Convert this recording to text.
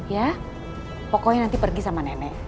ya pokoknya nanti pergi sama nenek